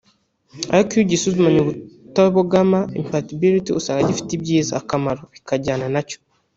ariko iyo ugisuzumanye ubutabogama (impartiality) usanga gifite n’ibyiza (akamaro) bijyana nacyo